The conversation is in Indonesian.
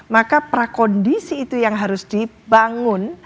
maka prakondisi itu yang harus dibangun